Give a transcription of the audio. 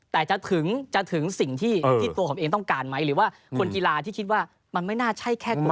แต่จะถึงจะถึงสิ่งที่ตัวผมเองต้องการไหมหรือว่าคนกีฬาที่คิดว่ามันไม่น่าใช่แค่ตัว